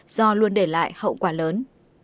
do luôn để lại hậu quả lớn